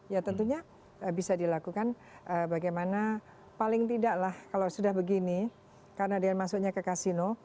ya tentunya bisa dilakukan bagaimana paling tidak lah kalau sudah begini karena dia masuknya ke kasino